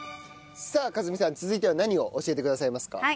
さあ和美さん続いては何を教えてくださいますか？